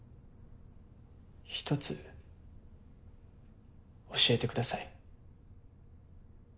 １つ教えてください。